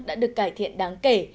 đã được cải thiện đáng kể